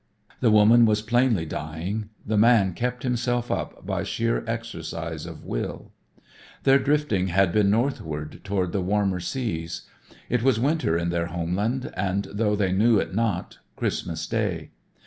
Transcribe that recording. The woman was plainly dying. The man kept himself up by sheer exercise of will. Their drifting had been northward toward warmer seas. It was winter in their home land and, though they knew it not, Christmas day.